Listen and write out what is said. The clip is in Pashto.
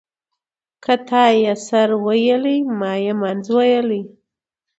ـ که تا يې سر ويلى ما يې منځ ويلى.